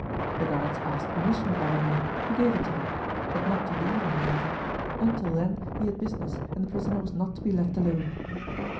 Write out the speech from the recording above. The guards asked permission of La Ramee, who gave it to them, but not till the evening, however; until then he had business and the prisoner was not to be left alone.